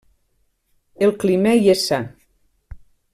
El clima hi és sa.